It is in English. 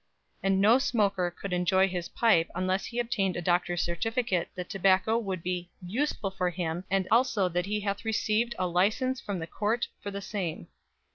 And no smoker could enjoy his pipe unless he obtained a doctor's certificate that tobacco would be "usefull for him, and allso that he hath received a lycense from the Courte for the same."